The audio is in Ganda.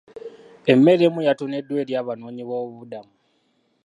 Emmere emu yatoneddwa eri abanoonyi b'obubuddamu.